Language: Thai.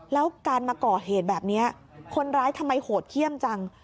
แล้วการมาก่อเหตุแบบนี้คนร้ายทำไมโหดเขี้ยมจัง